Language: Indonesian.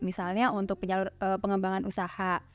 misalnya untuk pengembangan usaha